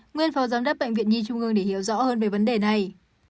nguyên phó giám đốc bệnh viện nhi trung ương để hiểu rõ hơn về vấn đề này